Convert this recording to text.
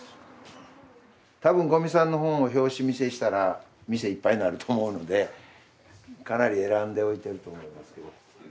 多分五味さんの本を表紙見せしたら店いっぱいになると思うのでかなり選んで置いてると思いますよ。